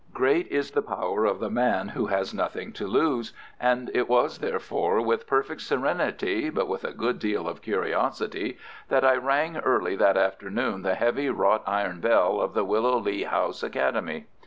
Great is the power of the man who has nothing to lose, and it was therefore with perfect serenity, but with a good deal of curiosity, that I rang early that afternoon the heavy wrought iron bell of the Willow Lea House Academy.